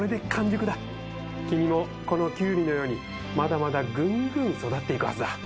君もこのキュウリのようにまだまだぐんぐん育っていくはずだ！